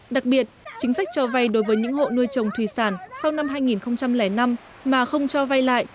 đặc biệt chính sách cho vay đối với những hộ nuôi trồng thủy sản sau năm hai nghìn năm mà không cho vay lại